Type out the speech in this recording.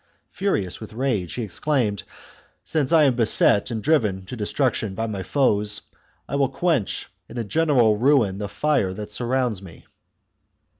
Furious with rage, he exclaimed, "Since I am beset and driven to destruction by my foes, I will quench in a general ruin the fire that surrounds me."